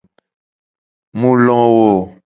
Mu lo wo.